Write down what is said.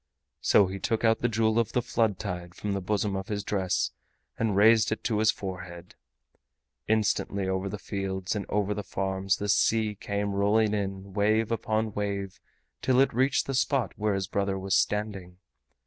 So he took out the Jewel of the Flood Tide from the bosom of his dress and raised it to his forehead. Instantly over the fields and over the farms the sea came rolling in wave upon wave till it reached the spot where his brother was standing.